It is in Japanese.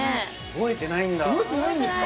覚えてないです